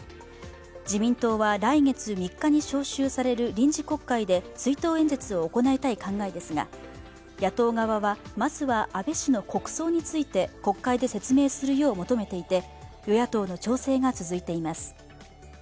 自民党は来月３日に召集される臨時国会で追悼演説を行いたい考えですが、野党側は、まずは安倍氏の国葬について国会で説明するよう求めていて与野党の調整が続いています。